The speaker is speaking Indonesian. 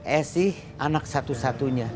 esy anak satu satunya